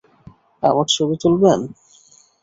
আমার ছবি তুলবেন?